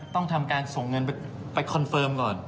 ต้องทำการส่งเงินไปคอนเฟิร์มก่อน